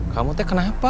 kamu teh kenapa